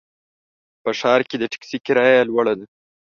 په ښار کې د ټکسي کرایه لوړه ده.